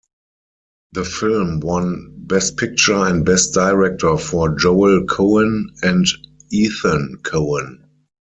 The film won Best Picture and Best Director for Joel Coen and Ethan Coen.